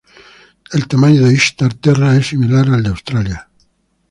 El tamaño de Ishtar Terra es similar al de Australia.